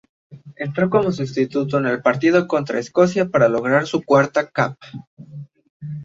Entró como sustituto en el partido contra Escocia para lograr su cuarta cap.